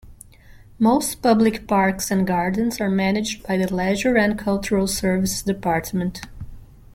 Most public parks and gardens are managed by the Leisure and Cultural Services Department.